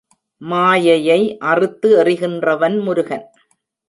மாயையை அறுத்து எறிகின்றவன் முருகன்.